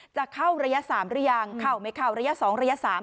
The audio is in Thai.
จะเข้าระยะ๓หรือยังเข้าไม่เข้าระยะ๒ระยะ๓